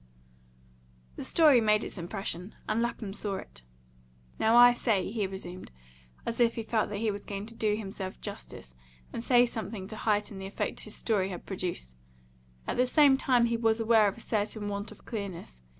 The story made its impression, and Lapham saw it. "Now I say," he resumed, as if he felt that he was going to do himself justice, and say something to heighten the effect his story had produced. At the same time he was aware of a certain want of clearness.